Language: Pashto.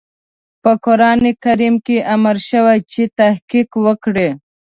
په قرآن کريم کې امر شوی چې تحقيق وکړئ.